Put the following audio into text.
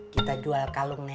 kita jual kalung nek